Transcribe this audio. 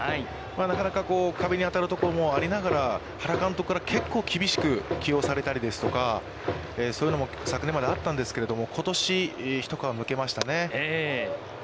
なかなか壁に当たるところもありながら、原監督から結構厳しく起用されたりとかですとか、そういうのも昨年まであったんですけれども、ことし、一皮むけましたね。